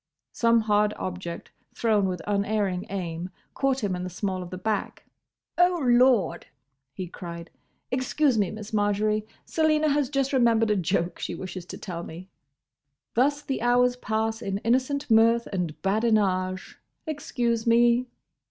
Some hard object, thrown with unerring aim, caught him in the small of the back. "Oh, Lord!" he cried. "Excuse me, Miss Marjory; Selina has just remembered a joke she wishes to tell me. Thus the hours pass in innocent mirth and badinage. Excuse me!"